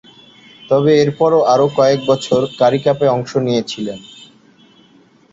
তবে, এরপরও আরও কয়েকবছর কারি কাপে অংশ নিয়েছিলেন।